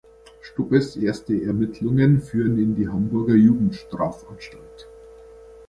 Stubbes erste Ermittlungen führen in die Hamburger Jugendstrafanstalt.